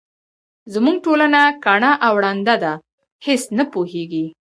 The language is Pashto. زموږ ټولنه کڼه او ړنده ده هیس نه پوهیږي.